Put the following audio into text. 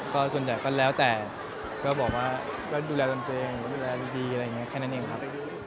ก็ส่วนใหญ่ก็แล้วแต่ก็บอกว่าก็ดูแลตนเองดูแลดีอะไรอย่างนี้แค่นั้นเองครับ